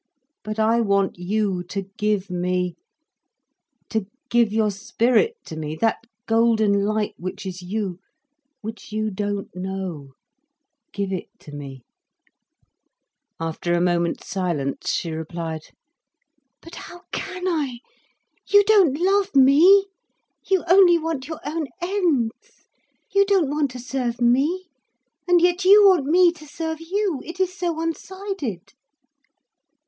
But, I want you to give me—to give your spirit to me—that golden light which is you—which you don't know—give it me—" After a moment's silence she replied: "But how can I, you don't love me! You only want your own ends. You don't want to serve me, and yet you want me to serve you. It is so one sided!"